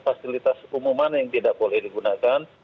fasilitas umum mana yang tidak boleh digunakan